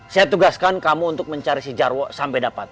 saya tugaskan kamu untuk mencari si jarwo sampai dapat